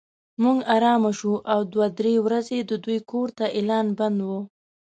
موږ ارامه شوو او دوه درې ورځې د دوی کور ته اعلان بند و.